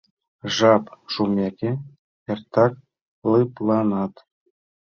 жап шумеке, эртак лыпланат